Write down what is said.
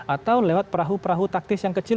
atau lewat perahu perahu taktis yang kecil